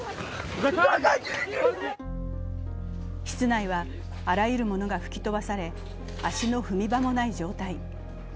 室内はあらゆるものが吹き飛ばされ足の踏み場もない状態。